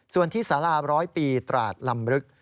ส่วนที่สาราร้อยปีตราดลำลึก